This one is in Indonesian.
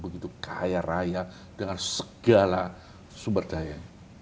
begitu kaya raya dengan segala sumber daya